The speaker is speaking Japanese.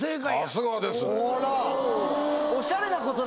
さすがですね。